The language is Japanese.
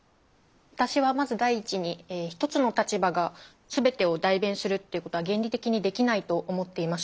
私はまず第一に一つの立場が全てを代弁するっていうことは原理的にできないと思っています。